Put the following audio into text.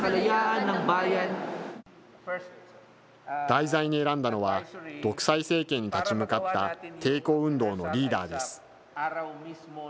題材に選んだのは、独裁政権に立ち向かった抵抗運動のリーダーです。